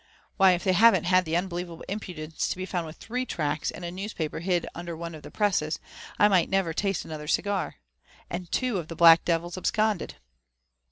Why, if they haven't had the unbelievable impudence to be found with Uiree tracts and a newspaper hid under one of the presses, may I never taste another cigar! — and two of the black devils absconded."